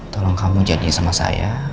tolong kamu janji sama saya